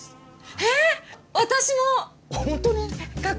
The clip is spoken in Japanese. えっ！？